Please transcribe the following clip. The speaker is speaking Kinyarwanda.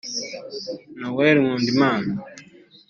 Noel Nkundimana